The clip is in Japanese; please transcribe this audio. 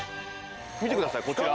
見てくださいこちら。